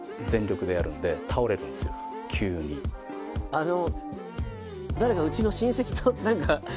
あの。